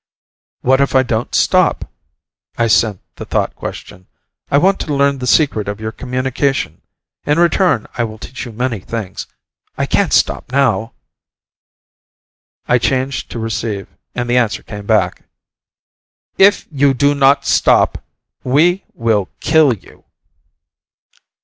"What if I don't stop?" I sent the thought question, "I want to learn the secret of your communication. In return, I will teach you many things. I can't stop now!" I changed to receive, and the answer came back, "If you do not stop ... we will kill you!"